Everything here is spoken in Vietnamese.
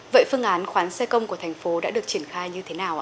vậy phương án khoán xe công của thành phố đã được triển khai như thế nào